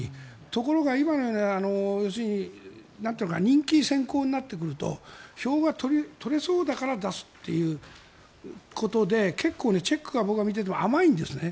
ところが今のような人気先行になってくると票が取れそうだから出すということで結構、チェックが僕が見ていても甘いんですね。